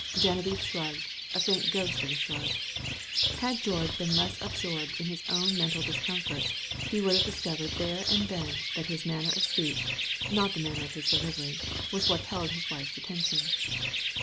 Geneviève shrugged, a faint ghost of a shrug. Had George been less absorbed in his own mental discomforts, he would have discovered there and then that the matter of his speech, not the manner of his delivery, was what held his wife's attention.